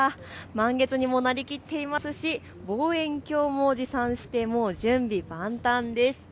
満月にもなりきっていますし望遠鏡も持参してもう準備万端です。